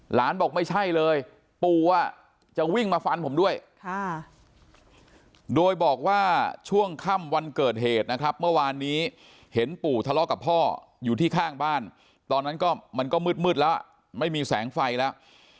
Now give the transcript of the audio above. บอกไม่ใช่เลยปู่จะวิ่งมาฟันผมด้วยโดยบอกว่าช่วงค่ำวันเกิดเหตุนะครับเมื่อวานนี้เห็นปู่ทะเลาะกับพ่ออยู่ที่ข้างบ้านตอนนั้นก็มันก็มืดแล้วไม่มีแสงไฟแล้ว